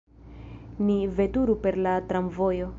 Ni veturu per la tramvojo.